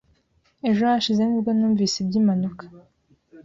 Ejo hashize nibwo numvise iby'impanuka.